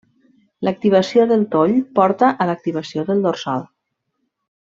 L'activació del toll porta a l'activació del dorsal.